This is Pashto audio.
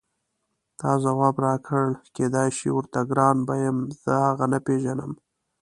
تا ځواب راکړ کېدای شي ورته ګران به یم زه هغه نه پېژنم.